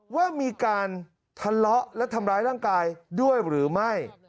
ว่ามีการทะเลาะและทำร้ายร่างกายด้วยหรือไม่